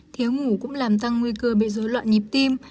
thiếu ngủ cũng làm tăng nguy cơ bị dối loạn nhịp tim